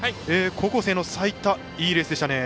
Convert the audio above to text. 高校生の税田いいレースでした。